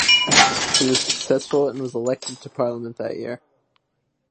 He was successful, and was elected to Parliament that year.